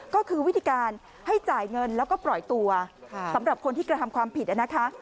ก็คือวิธีการให้จ่ายเงินแล้วก็ปล่อยตัวสำหรับคนที่กระทำความผิดนะคะ